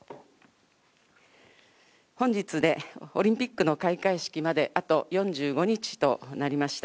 本日で、オリンピックの開会式まであと４５日となりました。